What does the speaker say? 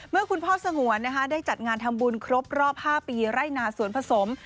เมื่อคุณพ่อสงวนได้จัดงานทำบุญครบรอบ๕ปีไร่นาสวนผสม